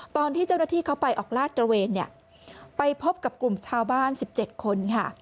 ตอนที่เจ้าหน้าที่เขาไปออกลาดตระเวนเนี่ยไปพบกับกลุ่มชาวบ้าน๑๗คนค่ะ